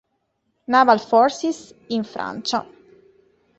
Naval Forces" in Francia.